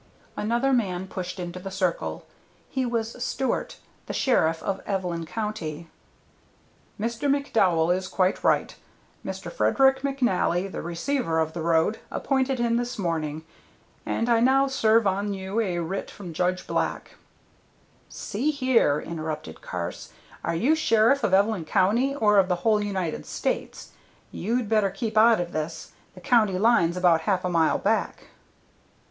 Another man pushed into the circle. He was Stewart, the sheriff of Evelyn County. "Mr. McDowell is quite right. Mr. Frederick McNally, the receiver of the road, appointed him this morning. And I now serve on you a writ from Judge Black " "See here," interrupted Carse, "are you sheriff of Evelyn County or of the whole United States? You'd better keep out of this; the county line's about half a mile back."